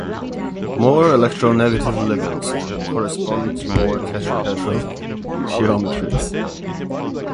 More electronegative ligands correspond to more tetrahedral geometries.